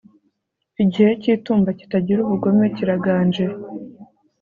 igihe cy'itumba kitagira ubugome kiraganje